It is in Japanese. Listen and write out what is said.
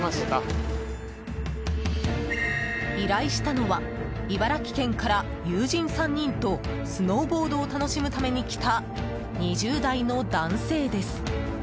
依頼したのは茨城県から友人３人とスノーボードを楽しむために来た２０代の男性です。